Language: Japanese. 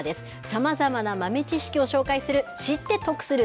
さまざまな豆知識を紹介する、知って得する！